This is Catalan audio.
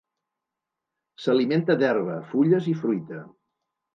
S'alimenta d'herba, fulles i fruita.